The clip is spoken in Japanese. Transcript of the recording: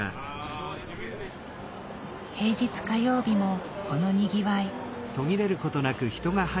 平日火曜日もこのにぎわい。